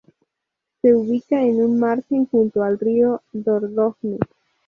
Se ubica en un margen junto al río Dordogne.